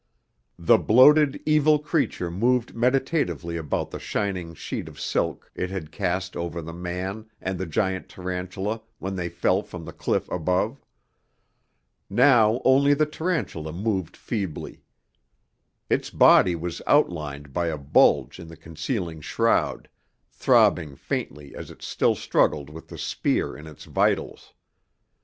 The bloated, evil creature moved meditatively about the shining sheet of silk it had cast over the man and the giant tarantula when they fell from the cliff above. Now only the tarantula moved feebly. Its body was outlined by a bulge in the concealing shroud, throbbing faintly as it still struggled with the spear in its vitals.